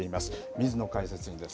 水野解説委員です。